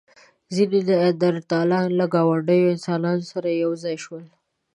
ځینې نیاندرتالان له ګاونډيو انسانانو سره یو ځای شول.